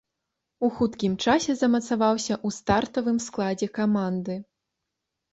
У хуткім часе замацаваўся ў стартавым складзе каманды.